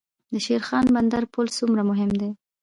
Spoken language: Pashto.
د شیرخان بندر پل څومره مهم دی؟